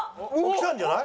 きたんじゃない？